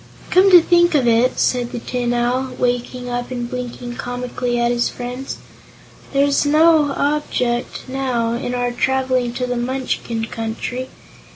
"Come to think of it," said the Tin Owl, waking up and blinking comically at his friends, "there's no object, now, in our traveling to the Munchkin Country.